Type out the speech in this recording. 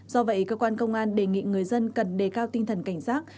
do vậy cơ quan công an đề nghị người dân cần đề cao tinh thần cảnh giác